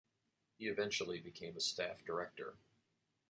He eventually became a staff director.